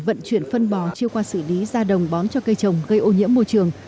vận chuyển phân bò chiêu qua xử lý ra đồng bón cho cây trồng gây ô nhiễm môi trường